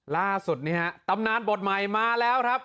ล่าสุดนี้ฮะตำนานบทใหม่มาแล้วครับ